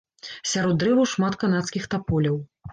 Сярод дрэваў шмат канадскіх таполяў.